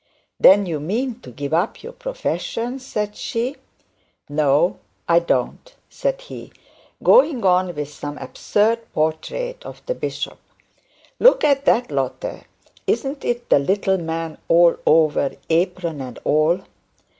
'Then you mean to give up your profession,' said she. 'No, I don't,' said he, going on with some absurd portrait of the bishop. 'Look at that, Lotte; isn't it the little man all over, apron and all?